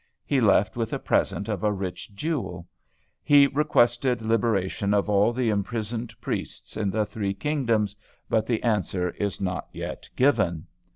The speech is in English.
He left with a present of a rich jewel. He requested liberation of all the imprisoned priests in the three kingdoms, but the answer is not yet given."